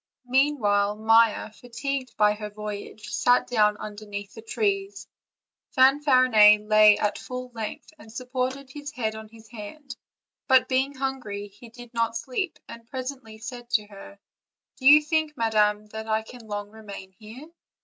Meanwhile Maia, fatigued by her voyage, sat down under the trees; Fanfarinet lay at full length, and sup ported his head on his hand, but, being hungry, he did not sleep, and presently said to her: "Do you think, madam, that I can long remain here?